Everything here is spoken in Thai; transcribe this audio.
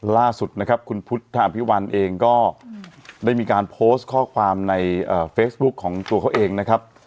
ล่าสุดนะครับคุณพุทธอภิวัลเองก็ได้มีการโพสต์ข้อความในเฟซบุ๊คของตัวเขาเองนะครับ